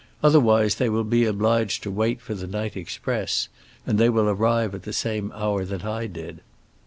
Otherwise they will be obliged to wait for the night express, and they will arrive at the same hour as I did."